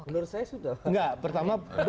menurut saya sudah